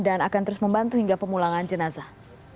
dan akan terus membantu hingga pemulangan jenazah